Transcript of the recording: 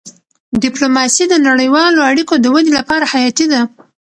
ډيپلوماسي د نړیوالو اړیکو د ودې لپاره حیاتي ده.